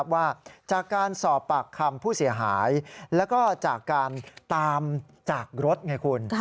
ว่าจากการสอบปากคำผู้เสียหายแล้วก็จากการตามจากรถไงคุณ